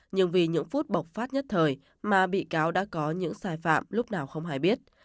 nhưng vì những phút bộc phát nhất thời mà bị cáo đã có những sai phạm lúc nào không hề biết